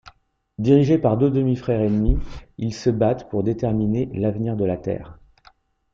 Dirigés par deux demi-frères ennemis, ils se battent pour déterminer l'avenir de la Terre.